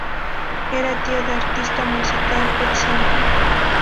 Era tío del artista musical Example.